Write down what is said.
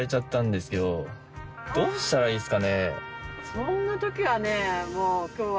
そんな時はねもう今日は。